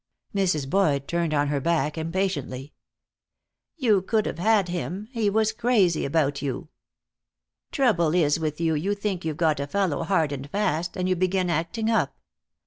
Mrs. Boyd turned on her back impatiently. "You could have had him. He was crazy about you. Trouble is with you, you think you've got a fellow hard and fast, and you begin acting up.